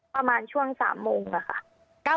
ประมาณช่วง๓โมงค่ะ